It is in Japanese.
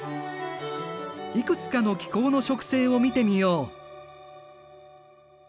いくつかの気候の植生を見てみよう。